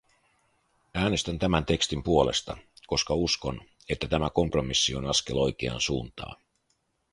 Äänestän tämän tekstin puolesta, koska uskon, että tämä kompromissi on askel oikeaan suuntaan.